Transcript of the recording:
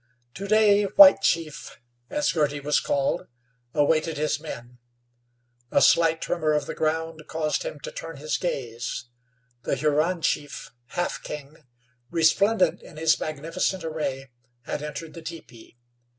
To day White Chief, as Girty was called, awaited his men. A slight tremor of the ground caused him to turn his gaze. The Huron chief, Half King, resplendent in his magnificent array, had entered the teepee.